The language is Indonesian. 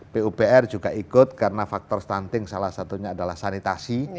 pupr juga ikut karena faktor stunting salah satunya adalah sanitasi